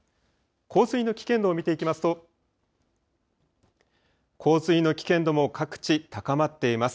洪水の危険度を見ていきますと洪水の危険度も各地高まっています。